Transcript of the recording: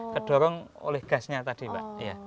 kedorong oleh gasnya tadi mbak